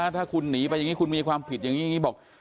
ถ้าคุณหนีไปอย่างนี้คุณมีความผิดอย่างนี้อย่างนี้บอก